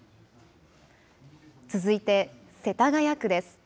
続いて世田谷区です。